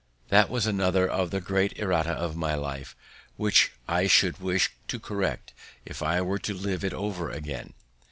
This was another of the great errata of my life, which I should wish to correct if I were to live it over again.